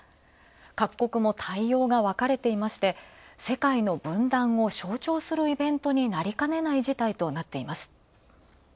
各国も対応が分かれていまして世界の分断を象徴するイベントになりかねない事態となっています。